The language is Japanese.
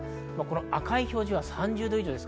赤い表示は３０度以上です。